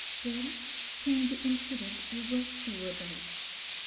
Then came the incident I wrote to you about.